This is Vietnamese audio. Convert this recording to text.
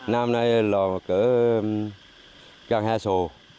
năm nay là cửa gần hai sổ